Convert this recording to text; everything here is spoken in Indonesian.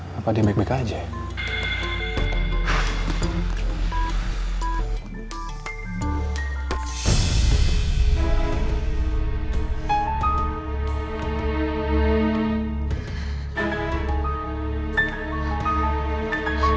nielsa dimana ya